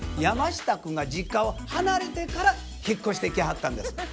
山下君が実家を離れてから引っ越してきはったんです。